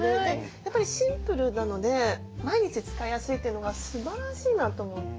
やっぱりシンプルなので毎日使いやすいっていうのがすばらしいなと思って。